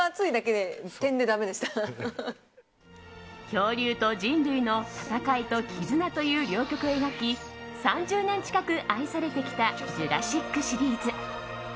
恐竜と人類の戦いと絆という両極を描き３０年近く愛されてきた「ジュラシック」シリーズ。